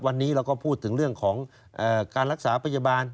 วันนี้เราก็พูดถึงเรื่องของการรักษาพยาบาล